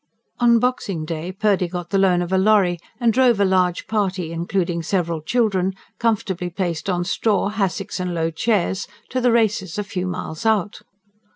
On Boxing Day Purdy got the loan of a lorry and drove a large party, including several children, comfortably placed on straw, hassocks and low chairs, to the Races a few miles out.